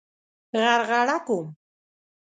غرغړه کوم.